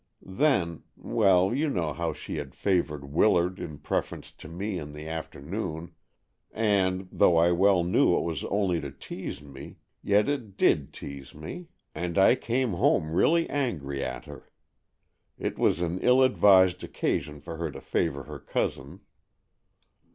Then—well, you know how she had favored Willard in preference to me in the afternoon, and, though I well knew it was only to tease me, yet it did tease me, and I came home really angry at her. It was an ill advised occasion for her to favor her cousin."